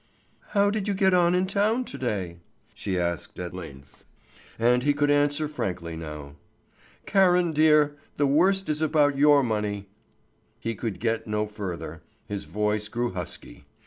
"How did you get on in town to day?" she asked at length. And he could answer frankly now: "Karen dear, the worst is about your money " He could get no further, his voice grew husky.